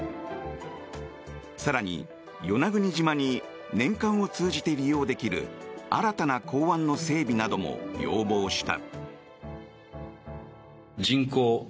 更に、与那国島に年間を通じて利用できる新たな港湾の整備なども要望した。